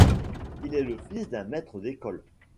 Il est le fils d’un maître d’école.